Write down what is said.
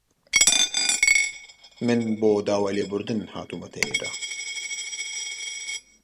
من بۆ داوای لێبوردن هاتوومەتە ئێرە.